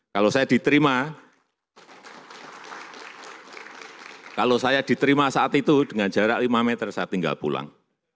kalau saya diterima kalau saya diterima saat itu dengan jarak lima meter saya tinggal pulang